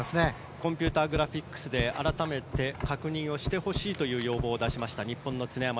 コンピューターグラフィックスで確認してほしいという要望を出した常山。